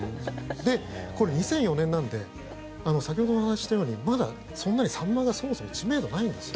で、これ２００４年なので先ほどお話ししたようにまだ、そんなにサンマがそもそも知名度ないんですよ。